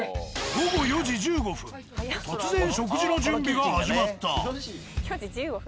午後４時１５分突然食事の準備が始まった。